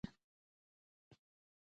د برکیلیم د برکلي په نوم دی.